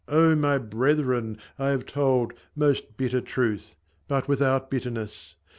O my brethren ! I have told Most bitter truth, but without bitterness.